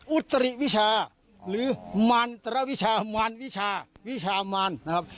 อุตริวิชาหรือมันตรวิชามันวิชาวิชามานนะครับ